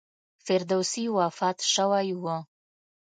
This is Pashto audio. فردوسي وفات شوی و.